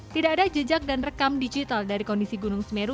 tidak ada jejak dan rekam digital dari kondisi gunung semeru